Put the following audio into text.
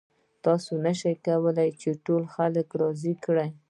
تاسې نشئ کولی چې ټول خلک راضي کړئ.